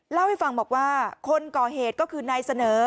เล่าให้ฟังบอกว่าคนก่อเหตุก็คือนายเสนอ